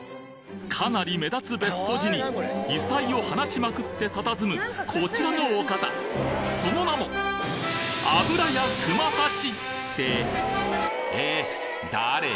かなり目立つベスポジに異彩を放ちまくって佇むこちらのお方その名もってえ？